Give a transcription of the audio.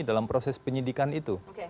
dalam proses penyelidikan itu